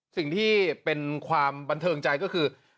สิ่งที่เป็นความบันเทิงใจก็คือ